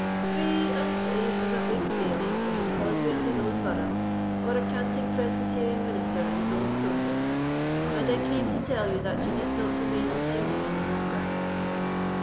"Free and safe as a Whig bailie on the causeway of his own borough, or a canting Presbyterian minister in his own pulpit; and I came to tell you that you need not remain in hiding any longer."